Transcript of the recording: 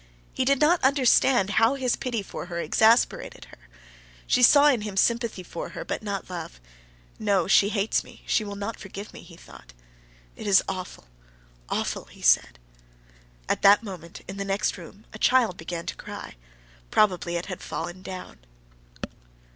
He did not understand how his pity for her exasperated her. She saw in him sympathy for her, but not love. "No, she hates me. She will not forgive me," he thought. "It is awful! awful!" he said. At that moment in the next room a child began to cry; probably it had fallen down.